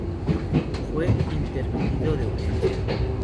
Fue intervenido de urgencia.